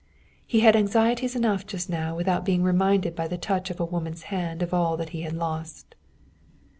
He had anxieties enough just now without being reminded by the touch of a woman's hand of all that he had lost.